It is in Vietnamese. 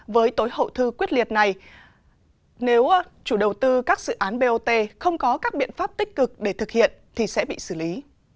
với tối hậu thư quyết liệt này nếu chủ đầu tư các dự án bot không có các biện pháp tích cực để thực hiện thì sẽ bị xử lý